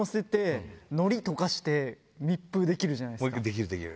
できるできる。